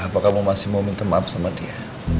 apa kamu masih mau minta maaf sama dia